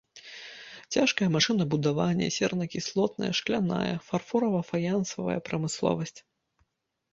Цяжкае машынабудаванне, сернакіслотная, шкляная і фарфора-фаянсавая прамысловасць.